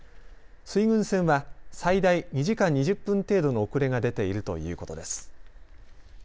水郡線は最大２時間２０分程度の遅れが出ているということです。